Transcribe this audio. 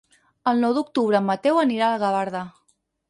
El nou d'octubre en Mateu anirà a Gavarda.